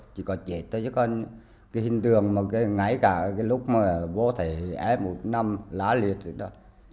chỉ có chết thôi chứ còn cái hình tường mà ngay cả cái lúc mà bố thầy ép một năm lá liệt rồi đó